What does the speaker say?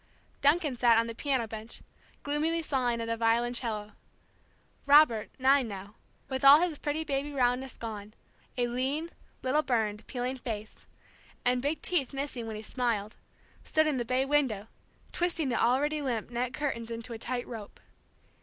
Duncan sat on the piano bench gloomily sawing at a violoncello. Robert, nine now, with all his pretty baby roundness gone, a lean little burned, peeling face, and big teeth missing when he smiled, stood in the bay window, twisting the already limp net curtains into a tight rope.